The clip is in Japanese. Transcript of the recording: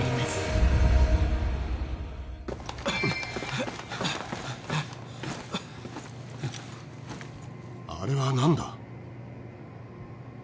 あれは何だ？